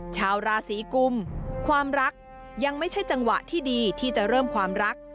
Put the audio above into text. ชาวราศีกุมความรักยังไม่ใช่จังหวะที่ดีที่จะเริ่มความรัก